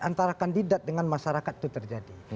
antara kandidat dengan masyarakat itu terjadi